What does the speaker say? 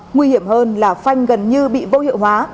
nguy hiểm hơn là phanh gần như bị vô hiệu hóa